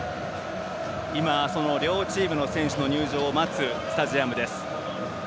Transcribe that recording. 今、両チームの選手の入場を待つスタジアムです。